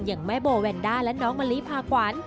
อย่างแม่โบแวนด้าและน้องมะลิพาขวัญ